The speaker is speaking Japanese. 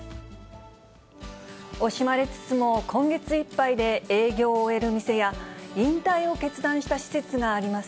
惜しまれつつも、今月いっぱいで営業を終える店や、引退を決断した施設があります。